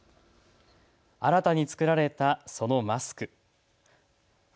新たに作られたそのマスク。